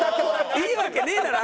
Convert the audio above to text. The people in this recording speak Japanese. いいわけねえだろ！